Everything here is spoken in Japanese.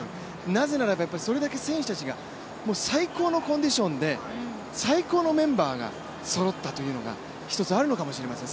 なぜならば、それだけ選手たちが最高のコンディションで最高のメンバーがそろったというのが一つあるのかもしれません。